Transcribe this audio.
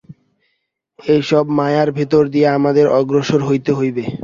এই সব মায়ার ভিতর দিয়া আমাদের অগ্রসর হইতে হইবে।